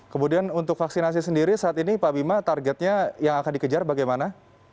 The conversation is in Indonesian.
kemudian untuk vaksinasi sendiri saat ini pak bima targetnya yang akan dikejar bagaimana